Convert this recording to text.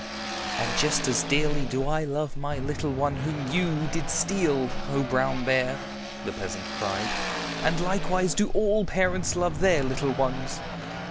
"And just as dearly do I love my little one whom you did steal, O Brown Bear," the peasant cried. "And likewise do all parents love their little ones.